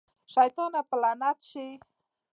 شيطانه په نالت شې.